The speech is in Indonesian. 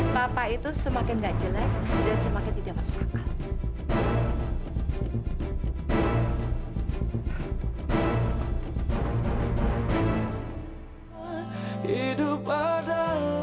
papa itu semakin tidak jelas dan semakin tidak masuk akal